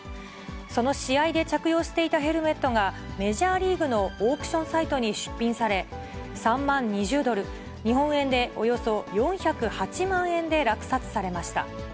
その試合で着用していたヘルメットが、メジャーリーグのオークションサイトに出品され、３万２０ドル、日本円でおよそ４０８万円で落札されました。